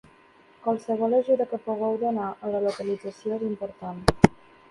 Qualsevol ajuda que pugueu donar en la localització és important.